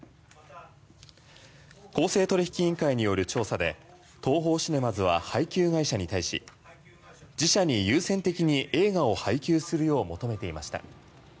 公正取引委員会による調査でＴＯＨＯシネマズは配給会社に対し自社に優先的に映画を配給するよう求めていました。